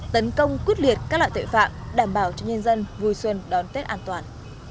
tấn công quyết liệt các loại tội phạm đảm vào nhân dân có thấy thích ph guy xuân kênh đón tết an toàn